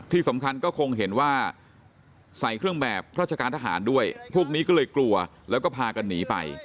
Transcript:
ที่สำคัญก็คงเห็นว่าใส่เครื่องแบบราชการทหารด้วยพวกนี้ก็เลยกลัวแล้วก็พากันหนีไป